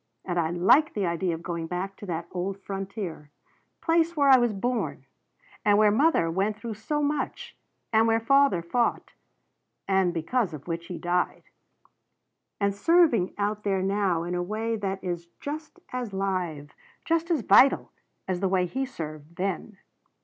And I like the idea of going back to that old frontier place where I was born and where mother went through so much and where father fought and because of which he died. And serving out there now in a way that is just as live just as vital as the way he served then."